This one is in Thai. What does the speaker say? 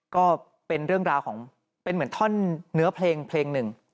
ก็เป็นเรื่องราวของเป็นเหมือนท่อนเนื้อเพลงเพลงหนึ่ง